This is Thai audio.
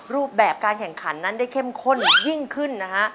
รูปแบบการแข่งขันนั้นได้เข้มข้นยิ่งขึ้นนะฮะ